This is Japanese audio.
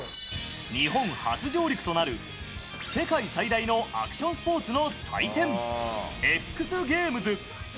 日本初上陸となる、世界最大のアクションスポーツの祭典、エックスゲームズ。